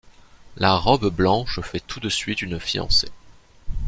La robe blanche fait tout de suite une fiancée.